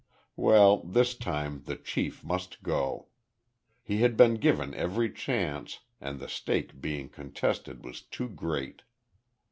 Well, this time the chief must go. He had been given every chance, and the stake being contested was too great.